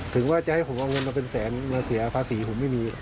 ถึงว่าจะให้ผมเอาเงินมาเป็นแสนมาเสียภาษีผมไม่มี